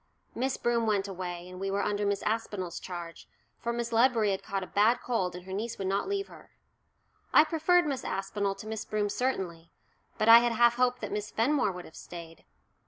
Miss Broom went away, and we were under Miss Aspinall's charge, for Miss Ledbury had caught a bad cold and her niece would not leave her. I preferred Miss Aspinall to Miss Broom certainly, but I had half hoped that Miss Fenmore would have stayed.